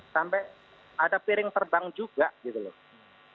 sampai ada piring terbang juga ada piring terbang juga